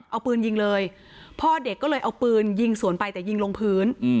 เอาปืนยิงเลยพ่อเด็กก็เลยเอาปืนยิงสวนไปแต่ยิงลงพื้น